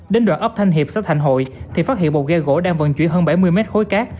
đến đoạn ấp thanh hiệp xã thành hội thì phát hiện một ghe gỗ đang vận chuyển hơn bảy mươi mét khối cát